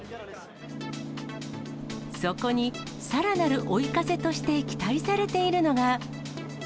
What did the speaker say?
そこにさらなる追い風として期待されているのが。